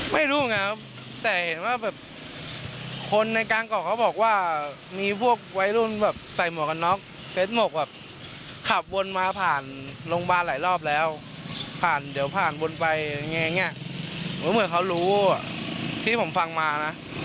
ไม่รู้ไงครับแต่เห็นว่าแบบคนในกลางเกาะเขาบอกว่ามีพวกวัยรุ่นแบบใส่หมวกกันน็อกเฟสหมกแบบขับวนมาผ่านโรงพยาบาลหลายรอบแล้วผ่านเดี๋ยวผ่านวนไปอย่างเงี้ยเหมือนเขารู้อ่ะที่ผมฟังมานะ